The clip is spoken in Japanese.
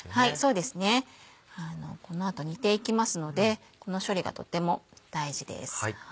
そうですねこの後煮ていきますのでこの処理がとても大事です。